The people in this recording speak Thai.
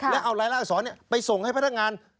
และเอารายละอักษรไปส่งให้พนักงาน